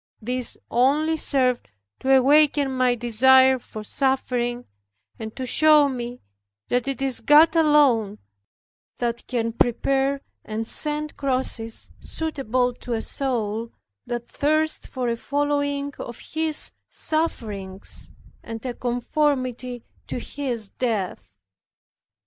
This only served to awaken my desire for suffering, and to show me that it is God alone that can prepare and send crosses suitable to a soul that thirsts for a following of His sufferings, and a conformity to His death.